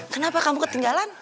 kenapa kamu ketinggalan